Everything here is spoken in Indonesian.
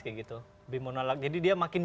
kayak gitu lebih menolak jadi dia makin